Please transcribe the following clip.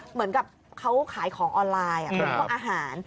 เหมือนกับเขาขายของออนไลน์เป็นพวกอาหาร